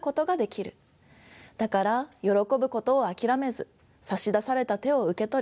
だからよろこぶことを諦めず差し出された手を受け取り